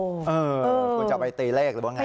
คุณจะไปตีเลขหรือว่าไง